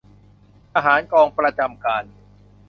ทหารกองประจำการ